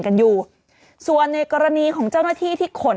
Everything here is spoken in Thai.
กันอยู่ส่วนในกรณีของเจ้าหน้าที่ที่ขน